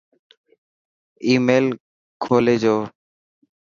آي ميل کولي جو